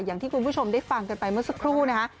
อย่างที่คุณผู้ชมได้ฟังกันไปเมื่อสักครู่นะคะ